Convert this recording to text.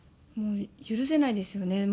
許せないですよね。